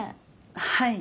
はい。